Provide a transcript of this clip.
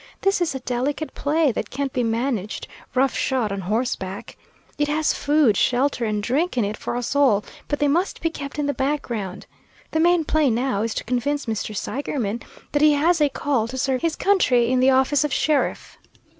This is a delicate play, that can't be managed roughshod on horseback. It has food, shelter, and drink in it for us all, but they must be kept in the background. The main play now is to convince Mr. Seigerman that he has a call to serve his country in the office of sheriff.